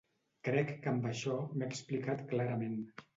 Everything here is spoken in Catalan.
Crec que amb això m’he explicat clarament.